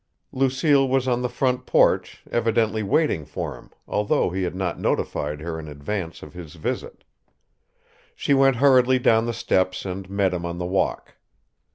Lucille was on the front porch, evidently waiting for him, although he had not notified her in advance of his visit. She went hurriedly down the steps and met him on the walk.